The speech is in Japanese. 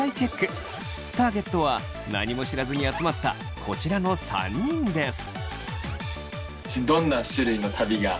ターゲットは何も知らずに集まったこちらの３人です。